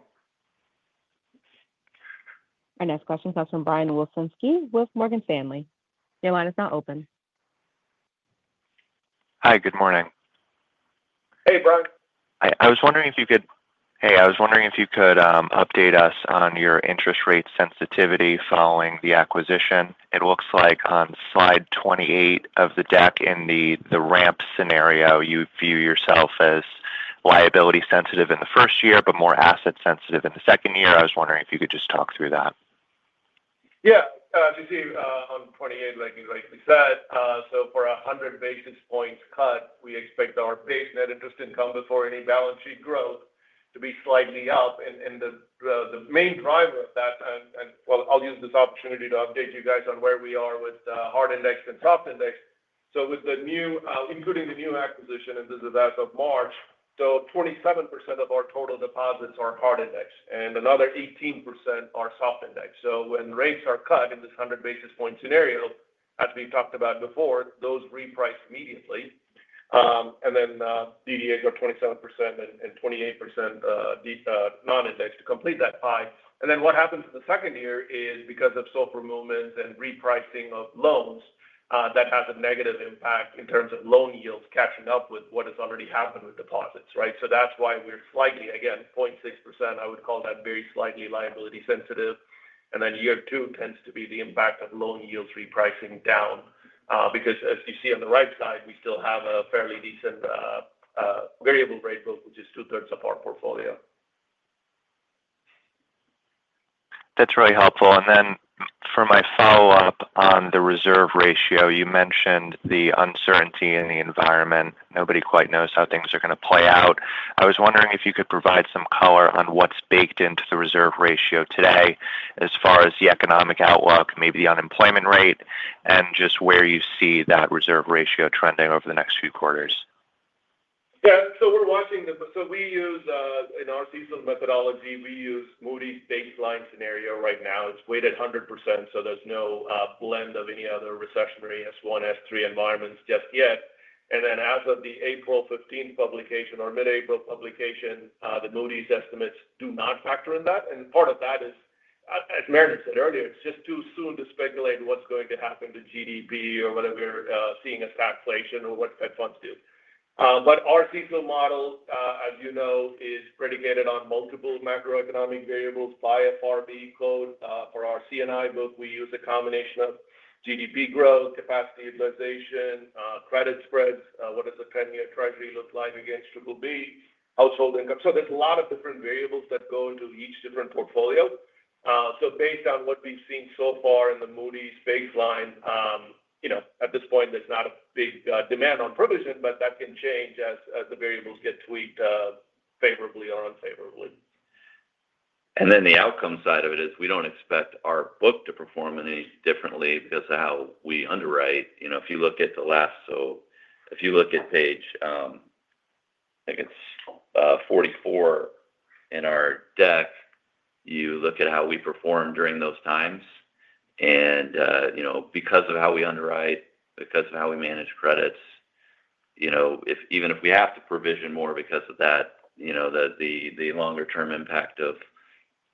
Speaker 1: Our next question comes from Brian Wilczynski with Morgan Stanley. Your line is now open.
Speaker 10: Hi. Good morning.
Speaker 4: Hey, Brian.
Speaker 10: I was wondering if you could, hey, I was wondering if you could update us on your interest rate sensitivity following the acquisition. It looks like on slide 28 of the deck in the ramp scenario, you view yourself as liability-sensitive in the first year but more asset-sensitive in the second year. I was wondering if you could just talk through that.
Speaker 4: Yeah. You see on 28, like you said, so for 100 basis points cut, we expect our base net interest income before any balance sheet growth to be slightly up. The main driver of that, and I will use this opportunity to update you guys on where we are with the hard index and soft index. With the new, including the new acquisition, and this is as of March, 27% of our total deposits are hard index. Another 18% are soft index. When rates are cut in this 100 basis point scenario, as we talked about before, those reprice immediately. DDAs are 27% and 28% non-index to complete that pie. What happens in the second year is because of SOFR movements and repricing of loans, that has a negative impact in terms of loan yields catching up with what has already happened with deposits, right? That is why we are slightly, again, 0.6%. I would call that very slightly liability-sensitive. Year two tends to be the impact of loan yields repricing down because, as you see on the right side, we still have a fairly decent variable rate book, which is two-thirds of our portfolio.
Speaker 10: That's really helpful. For my follow-up on the reserve ratio, you mentioned the uncertainty in the environment. Nobody quite knows how things are going to play out. I was wondering if you could provide some color on what's baked into the reserve ratio today as far as the economic outlook, maybe the unemployment rate, and just where you see that reserve ratio trending over the next few quarters.
Speaker 4: Yeah. We're watching the, so we use in our CECL methodology, we use Moody's baseline scenario right now. It's weighted 100%. There's no blend of any other recessionary S1, S3 environments just yet. As of the April 15th publication or mid-April publication, the Moody's estimates do not factor in that. Part of that is, as Mariner said earlier, it's just too soon to speculate what's going to happen to GDP or whether we're seeing a stagflation or what Fed funds do. Our CECL model, as you know, is predicated on multiple macroeconomic variables by FRB code. For our C&I book, we use a combination of GDP growth, capacity utilization, credit spreads, what does a 10-year Treasury look like against BBB, household income. There's a lot of different variables that go into each different portfolio. Based on what we've seen so far in the Moody's baseline, at this point, there's not a big demand on provision, but that can change as the variables get tweaked favorably or unfavorably.
Speaker 3: The outcome side of it is we do not expect our book to perform any differently because of how we underwrite. If you look at the last, if you look at page, I think it is 44 in our deck, you look at how we perform during those times. Because of how we underwrite, because of how we manage credits, even if we have to provision more because of that, the longer-term impact of,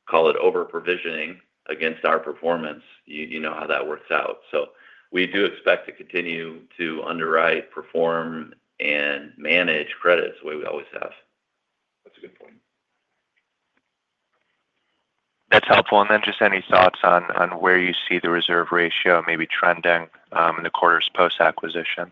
Speaker 3: call it over-provisioning against our performance, you know how that works out. We do expect to continue to underwrite, perform, and manage credits the way we always have.
Speaker 10: That's helpful. Just any thoughts on where you see the reserve ratio maybe trending in the quarters post-acquisition?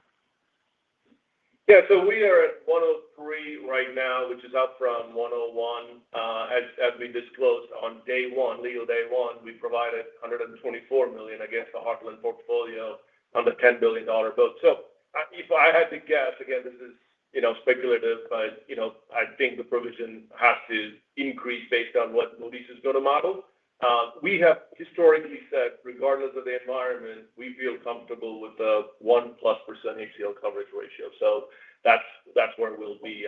Speaker 4: Yeah. We are at 1.03% right now, which is up from 1.01%. As we disclosed on day one, legal day one, we provided $124 million against the Heartland portfolio on the $10 billion book. If I had to guess, again, this is speculative, but I think the provision has to increase based on what Moody's is going to model. We have historically said, regardless of the environment, we feel comfortable with the 1% plus ACL coverage ratio. That is where we will be,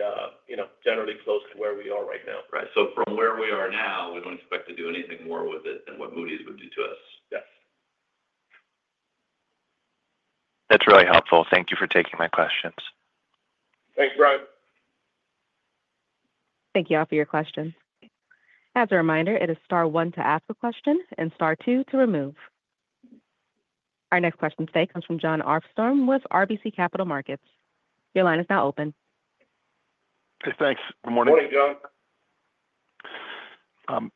Speaker 4: generally close to where we are right now.
Speaker 3: Right. From where we are now, we do not expect to do anything more with it than what Moody's would do to us.
Speaker 10: Yes. That's really helpful. Thank you for taking my questions.
Speaker 4: Thanks, Brian.
Speaker 1: Thank you all for your questions. As a reminder, it is star one to ask a question and star two to remove. Our next question today comes from Jon Arfstrom with RBC Capital Markets. Your line is now open.
Speaker 11: Hey, thanks. Good morning.
Speaker 4: Good morning, Jon.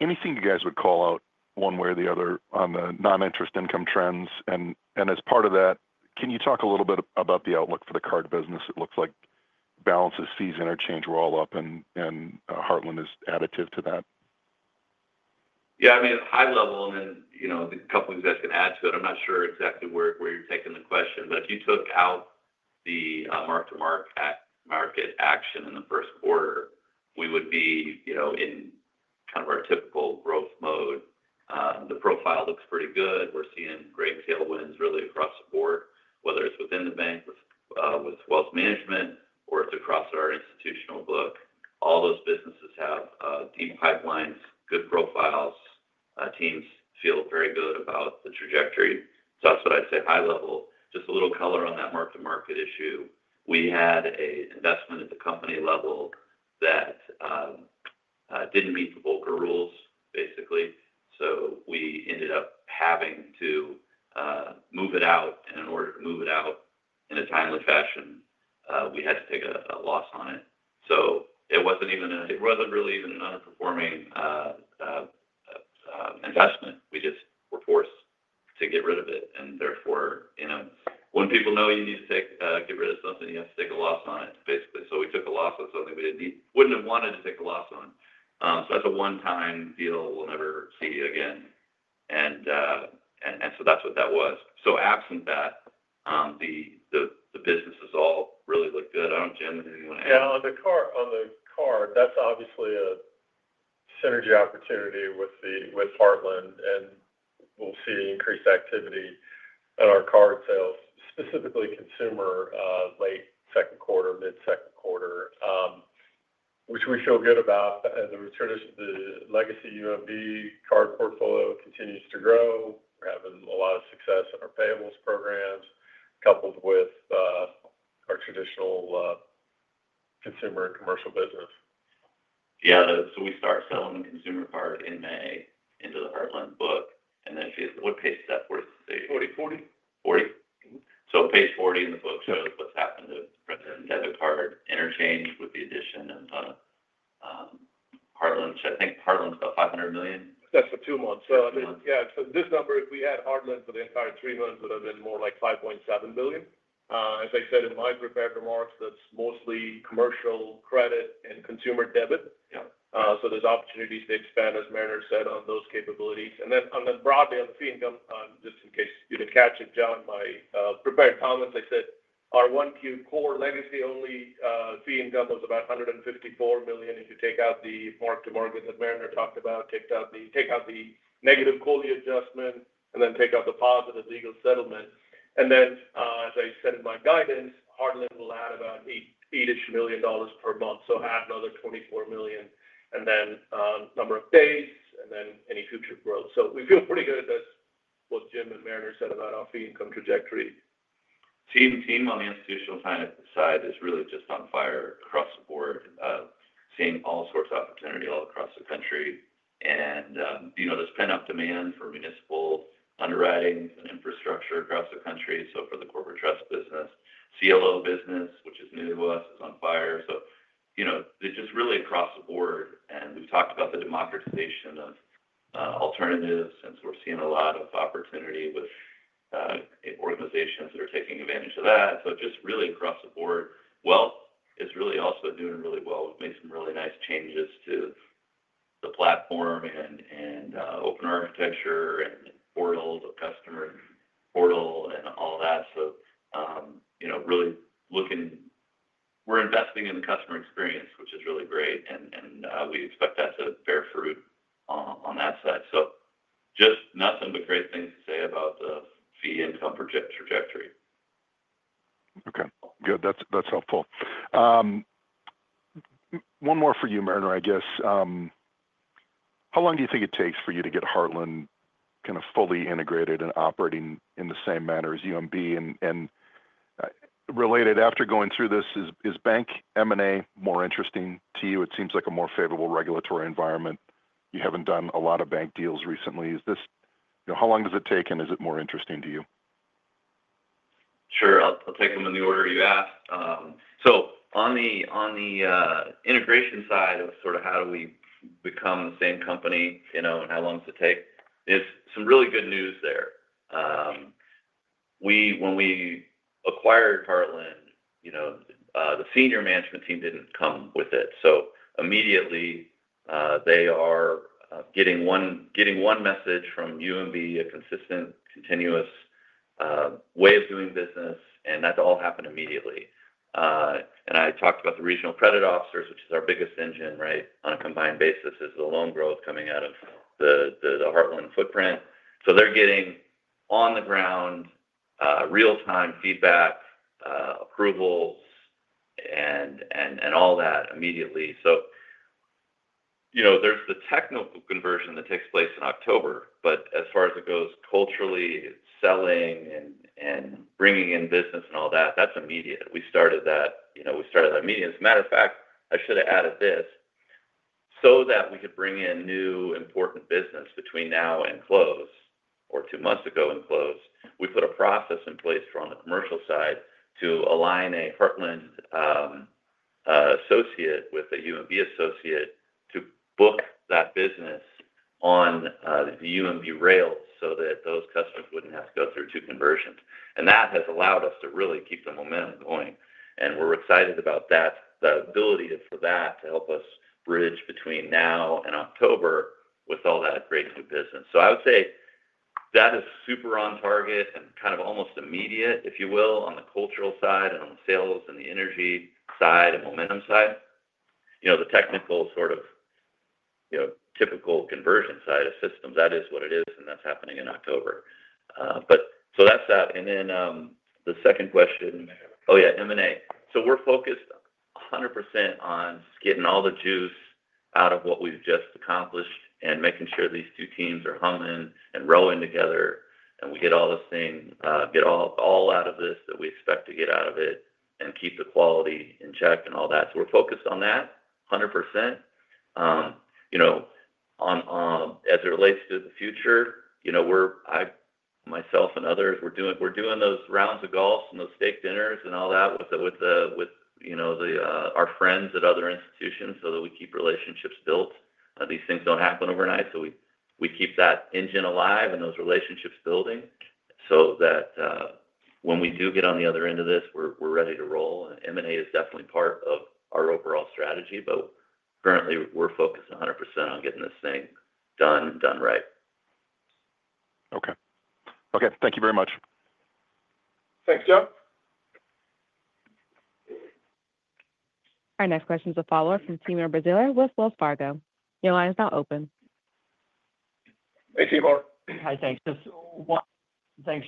Speaker 11: Anything you guys would call out one way or the other on the non-interest income trends? As part of that, can you talk a little bit about the outlook for the card business? It looks like balances, fees, interchange were all up, and Heartland is additive to that.
Speaker 3: Yeah. I mean, high level, and then a couple of you guys can add to it. I'm not sure exactly where you're taking the question, but if you took out the mark-to-market action in the Q1, we would be in kind of our typical growth mode. The profile looks pretty good. We're seeing great sale wins really across the board, whether it's within the bank with wealth management or it's across our institutional book. All those businesses have deep pipelines, good profiles. Teams feel very good about the trajectory. That's what I'd say high level. Just a little color on that mark-to-market issue. We had an investment at the company level that didn't meet the Volcker Rule, basically. We ended up having to move it out. In order to move it out in a timely fashion, we had to take a loss on it. It was not even an underperforming investment. We just were forced to get rid of it. Therefore, when people know you need to get rid of something, you have to take a loss on it, basically. We took a loss on something we would not have wanted to take a loss on. That is a one-time deal we will never see again. That is what that was. Absent that, the businesses all really look good. I do not see anything you want to add.
Speaker 4: Yeah. On the card, that's obviously a synergy opportunity with Heartland. We'll see increased activity in our card sales, specifically consumer late Q2, mid-Q2, which we feel good about. The legacy UMB card portfolio continues to grow. We're having a lot of success in our payables programs coupled with our traditional consumer and commercial business.
Speaker 3: Yeah. We start selling the consumer card in May into the Heartland book. If you would page-step, what does it say?
Speaker 4: 40.
Speaker 3: 40?
Speaker 4: 40.
Speaker 3: Page 40 in the book shows what's happened to the present debit card interchange with the addition of Heartland, which I think Heartland's about $500 million.
Speaker 4: That's for two months. Yeah. This number, if we had Heartland for the entire three months, would have been more like $5.7 billion. As I said in my prepared remarks, that's mostly commercial credit and consumer debit. There are opportunities to expand, as Mariner said, on those capabilities. Broadly on the fee income, just in case you didn't catch it, Jon, in my prepared comments, I said our Q1 core legacy-only fee income was about $154 million if you take out the mark-to-market that Mariner talked about, take out the negative COLI adjustment, and then take out the positive legal settlement. As I said in my guidance, Heartland will add about $8 million per month. Add another $24 million and then number of days and then any future growth. We feel pretty good at this, what Jim and Mariner said about our fee income trajectory.
Speaker 3: Team on the institutional side is really just on fire across the board, seeing all sorts of opportunity all across the country. There's pent-up demand for municipal underwriting and infrastructure across the country. For the corporate trust business, CLO business, which is new to us, is on fire. It is just really across the board. We've talked about the democratization of alternatives since we're seeing a lot of opportunity with organizations that are taking advantage of that. Just really across the board. Wealth is really also doing really well. We've made some really nice changes to the platform and open architecture and portals, customer portal, and all that. We are investing in the customer experience, which is really great. We expect that to bear fruit on that side. Nothing but great things to say about the fee income trajectory.
Speaker 11: Okay. Good. That's helpful. One more for you, Mariner, I guess. How long do you think it takes for you to get Heartland kind of fully integrated and operating in the same manner as UMB? Related, after going through this, is bank M&A more interesting to you? It seems like a more favorable regulatory environment. You haven't done a lot of bank deals recently. How long does it take, and is it more interesting to you?
Speaker 3: Sure. I'll take them in the order you asked. On the integration side of sort of how do we become the same company and how long does it take, there's some really good news there. When we acquired Heartland, the senior management team didn't come with it. Immediately, they are getting one message from UMB, a consistent, continuous way of doing business, and that's all happened immediately. I talked about the regional credit officers, which is our biggest engine, right? On a combined basis is the loan growth coming out of the Heartland footprint. They're getting on the ground real-time feedback, approvals, and all that immediately. There's the technical conversion that takes place in October. As far as it goes, culturally, selling and bringing in business and all that, that's immediate. We started that immediately. As a matter of fact, I should have added this so that we could bring in new important business between now and close or two months ago and close. We put a process in place from the commercial side to align a Heartland associate with a UMB associate to book that business on the UMB rail so that those customers would not have to go through two conversions. That has allowed us to really keep the momentum going. We are excited about that, the ability for that to help us bridge between now and October with all that great new business. I would say that is super on target and kind of almost immediate, if you will, on the cultural side and on the sales and the energy side and momentum side. The technical sort of typical conversion side of systems, that is what it is, and that's happening in October. That is that. The second question, oh, yeah, M&A. We are focused 100% on just getting all the juice out of what we've just accomplished and making sure these two teams are humming and rowing together. We get all this thing, get all out of this that we expect to get out of it and keep the quality in check and all that. We are focused on that 100%. As it relates to the future, myself and others, we are doing those rounds of golf and those steak dinners and all that with our friends at other institutions so that we keep relationships built. These things do not happen overnight. We keep that engine alive and those relationships building so that when we do get on the other end of this, we're ready to roll. M&A is definitely part of our overall strategy, but currently, we're focused 100% on getting this thing done and done right.
Speaker 11: Okay. Okay. Thank you very much.
Speaker 4: Thanks, Jon.
Speaker 1: Our next question is a follow-up from Timur Braziler with Wells Fargo. Your line is now open.
Speaker 9: Hey, Timur. Hi. Thanks.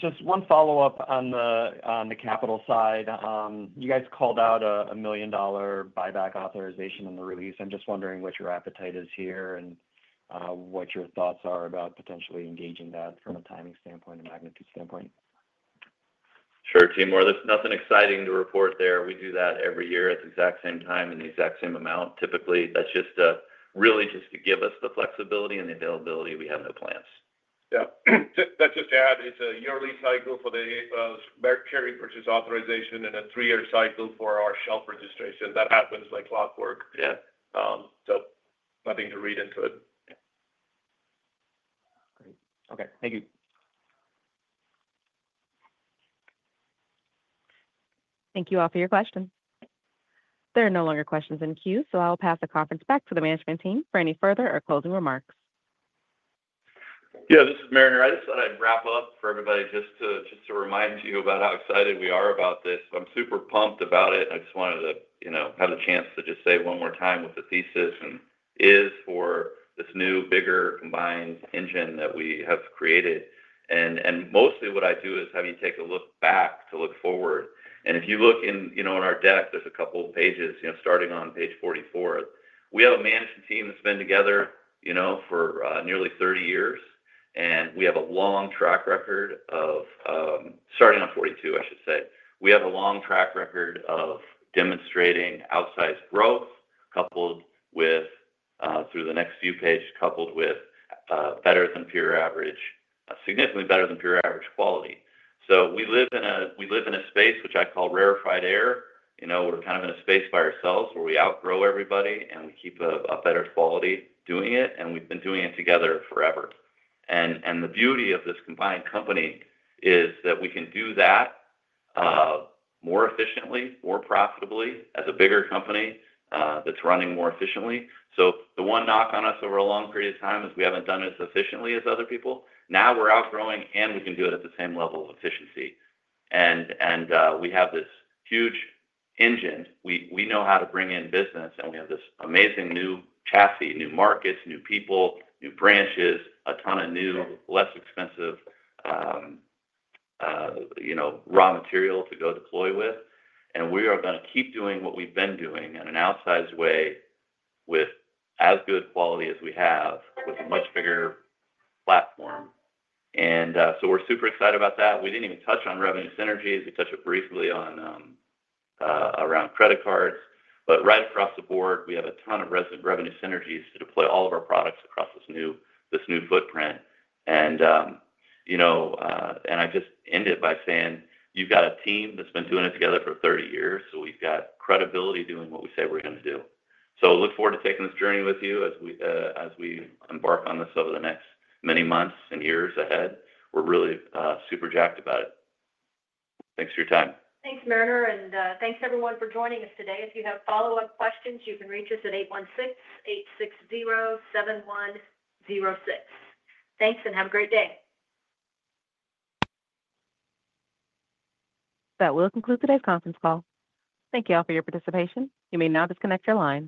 Speaker 9: Just one follow-up on the capital side. You guys called out a $1 million buyback authorization in the release. I'm just wondering what your appetite is here and what your thoughts are about potentially engaging that from a timing standpoint, a magnitude standpoint.
Speaker 3: Sure, Timur. There's nothing exciting to report there. We do that every year at the exact same time and the exact same amount. Typically, that's just really just to give us the flexibility and the availability. We have no plans.
Speaker 4: Yeah. Just to add, it's a yearly cycle for the share repurchase authorization and a three-year cycle for our shelf registration. That happens like clockwork. Nothing to read into it.
Speaker 9: Great. Okay. Thank you.
Speaker 1: Thank you all for your questions. There are no longer questions in queue, so I'll pass the conference back to the management team for any further or closing remarks.
Speaker 3: Yeah. This is Mariner. I just thought I'd wrap up for everybody just to remind you about how excited we are about this. I'm super pumped about it. I just wanted to have a chance to just say one more time what the thesis is for this new bigger combined engine that we have created. Mostly what I do is have you take a look back to look forward. If you look in our deck, there's a couple of pages starting on page 44. We have a management team that's been together for nearly 30 years, and we have a long track record of starting on 42, I should say. We have a long track record of demonstrating outsized growth through the next few pages, coupled with better than peer average, significantly better than peer average quality. We live in a space, which I call rarefied air. We're kind of in a space by ourselves where we outgrow everybody, and we keep a better quality doing it. We've been doing it together forever. The beauty of this combined company is that we can do that more efficiently, more profitably as a bigger company that's running more efficiently. The one knock on us over a long period of time is we haven't done it as efficiently as other people. Now we're outgrowing, and we can do it at the same level of efficiency. We have this huge engine. We know how to bring in business, and we have this amazing new chassis, new markets, new people, new branches, a ton of new, less expensive raw material to go deploy with. We are going to keep doing what we've been doing in an outsized way with as good quality as we have with a much bigger platform. We are super excited about that. We did not even touch on revenue synergies. We touched briefly around credit cards. Right across the board, we have a ton of revenue synergies to deploy all of our products across this new footprint. I just end it by saying you have a team that has been doing it together for 30 years. We have credibility doing what we say we are going to do. I look forward to taking this journey with you as we embark on this over the next many months and years ahead. We are really super jacked about it. Thanks for your time.
Speaker 1: Thanks, Mariner. Thanks, everyone, for joining us today. If you have follow-up questions, you can reach us at 816-860-7106. Thanks, and have a great day. That will conclude today's conference call. Thank you all for your participation. You may now disconnect your line.